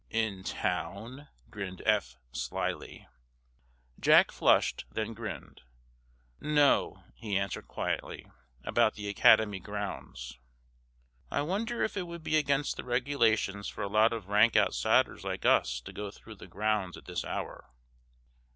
"In town?" grinned Eph, slyly. Jack flushed, then grinned. "No!" he answered quietly; "about the Academy grounds." "I wonder if it would be against the regulations for a lot of rank outsiders like us to go through the grounds at this hour?"